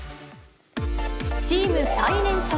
チーム最年少！